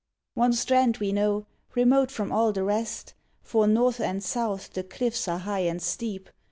One strand we know, remote from all the rest, For north and south the cliffs are high and steep.